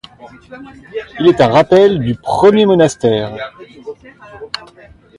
Il est un rappel du premier monastère.